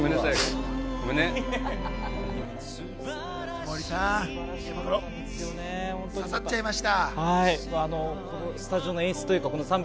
森さん、刺さっちゃいました？